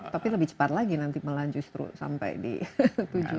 tapi lebih cepat lagi nanti melanjut sampai di tujuan